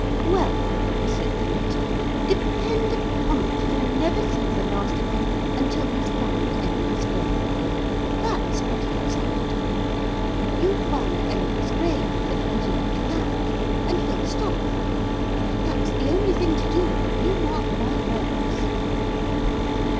"Well," said the Mater, "depend upon it, you'll never see the last of him until he's found Emily's grave. That's what he is after. You find Emily's grave, and put him on to that, and he'll stop there. That's the only thing to do. You mark my words."